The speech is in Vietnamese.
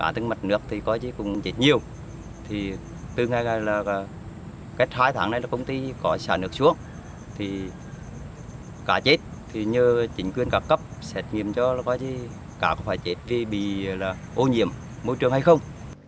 từ ngày hai tháng này công ty có xả nước xuống cá chết nhờ chính quyền cấp cấp xét nghiệm cho coi chứ cá có phải chết vì ô nhiễm môi trường hay không